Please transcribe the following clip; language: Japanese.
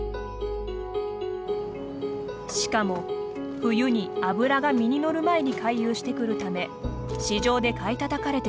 しかも冬に脂が身に乗る前に回遊してくるため市場で買いたたかれてしまいます。